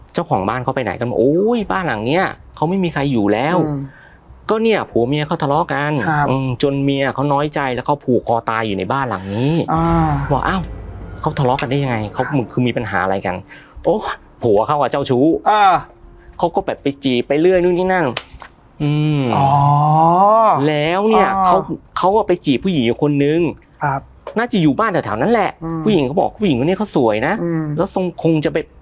เจ้าของบ้านเขาไปไหนกันโอ้ยบ้านหลังเนี้ยเขาไม่มีใครอยู่แล้วอืมก็เนี้ยผัวเมียเขาทะเลาะกันครับอืมจนเมียเขาน้อยใจแล้วเขาผูกคอตายอยู่ในบ้านหลังนี้อ่าบอกอ้าวเขาทะเลาะกันได้ยังไงเขาคือมีปัญหาอะไรกันโอ้ผัวเขากับเจ้าชู้อ่าเขาก็แบบไปจีบไปเรื่อยนู่นนี่นั่งอืมอ๋อแล้